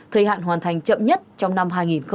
thời hạn hoàn thành chậm nhất trong năm hai nghìn hai mươi